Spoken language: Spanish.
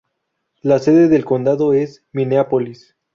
La sede del condado es Minneapolis.